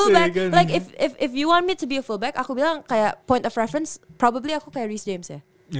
fullback like if you want me to be a fullback aku bilang kayak point of reference probably aku kayak rhys james ya